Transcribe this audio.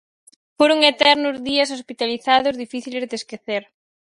Foron eternos días hospitalizados difíciles de esquecer.